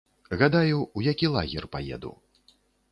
Гадаю, у які лагер паеду.